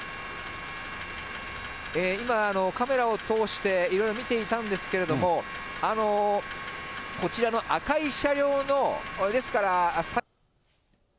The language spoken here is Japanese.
今、カメラを通して、いろいろ見ていたんですけれども、こちらの赤い車両の。